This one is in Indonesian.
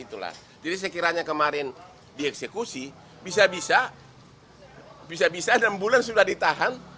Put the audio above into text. jadi sekiranya kemarin dieksekusi bisa bisa dalam bulan sudah ditahan